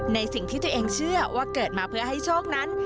ในสิ่งที่ตัวเองเชื่อว่าเกิดมาเพื่อให้โชคนั้น